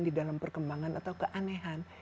di dalam perkembangan atau keanehan